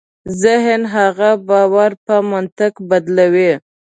ذهن هغه باور په منطق بدلوي.